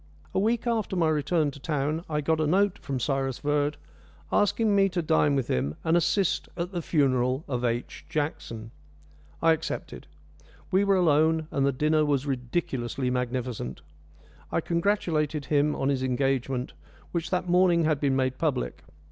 A week after my return to town I got a note from Cyrus Verd, asking me to dine with him and "assist at the funeral of H. Jackson." I accepted. We were alone, and the dinner was ridiculously magnificent. I congratulated him on his engagement, which that morning had been made public.